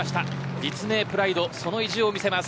立命プライドその意地を見せます。